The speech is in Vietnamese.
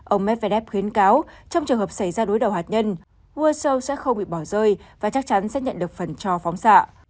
ông medvedev khuyến cáo trong trường hợp xảy ra đối đầu hạt nhân world show sẽ không bị bỏ rơi và chắc chắn sẽ nhận được phần cho phóng xạ